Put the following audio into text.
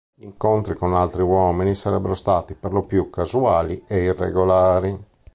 Gli incontri con altri uomini sarebbero stati per lo più casuali e irregolari.